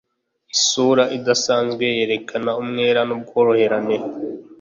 Isura idasanzwe yerekana umwere nubworoherane